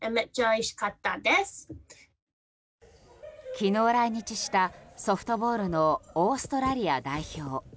昨日来日したソフトボールのオーストラリア代表。